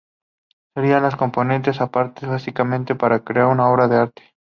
Serían los componentes o partes básicas para crear una obra de arte.